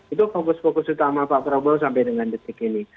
itu fokus fokus utama pak prabowo sampai dengan detik ini